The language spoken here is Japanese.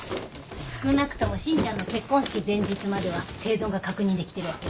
少なくとも真ちゃんの結婚式前日までは生存が確認できてるわけで。